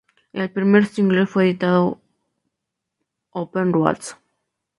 El primer single editado fue "Open Roads".